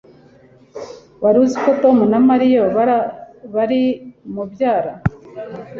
Wari uziko Tom na Mariya bari mubyara